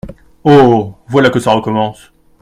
Oh ! voilà que ça recommence !